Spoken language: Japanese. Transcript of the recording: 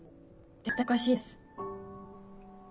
絶対おかしいです。